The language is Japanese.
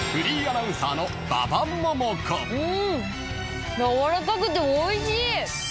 うんやわらかくておいしい。